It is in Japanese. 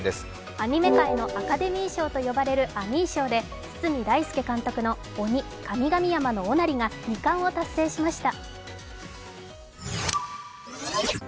アニメ界のアカデミー賞と呼ばれるアニー賞で堤大介監督の「ＯＮＩ神々山のおなり」が２冠を達成しました。